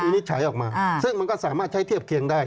นิจฉัยออกมาซึ่งมันก็สามารถใช้เทียบเคียงได้